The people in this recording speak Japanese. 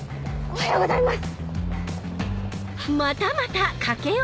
おはようございます！